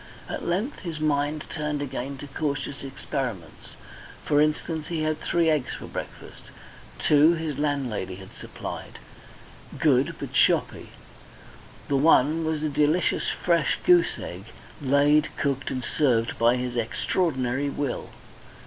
At length his mind turned again to cautious experiments. For instance, he had three eggs for breakfast; two his landlady had supplied, good, but shoppy, and one was a delicious fresh goose egg, laid, cooked, and served by his extraordinary will.